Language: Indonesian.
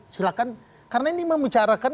silahkan karena ini membicarakan